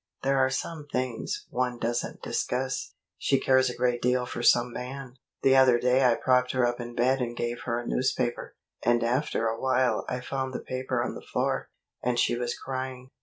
There are some things one doesn't discuss. She cares a great deal for some man. The other day I propped her up in bed and gave her a newspaper, and after a while I found the paper on the floor, and she was crying.